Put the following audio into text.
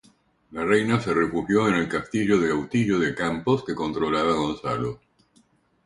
La reina se refugió en el castillo de Autillo de Campos que controlaba Gonzalo.